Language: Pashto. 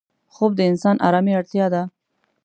خوب د انسان آرامي اړتیا ده